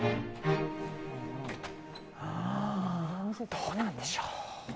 どうなんでしょう？